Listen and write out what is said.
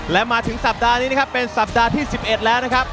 และมาถึงสัปดาห์นี้นะครับเป็นสัปดาห์ที่๑๑แล้วนะครับ